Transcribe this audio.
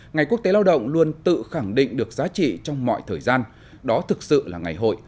ngày quốc tế lao động luôn tự khẳng định được giá trị trong mọi thời gian đó thực sự là ngày hội